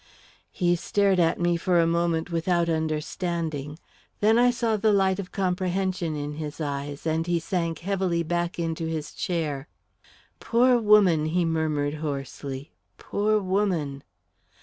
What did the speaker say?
He stared at me for a moment without understanding, then I saw the light of comprehension in his eyes, and he sank heavily back into his chair. "Poor woman!" he murmured hoarsely. "Poor woman!"